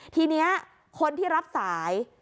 ทีนี้คนที่รับสาย